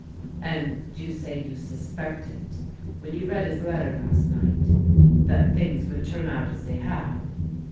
"And you say you suspected, when you read his letter last night, that things would turn out as they have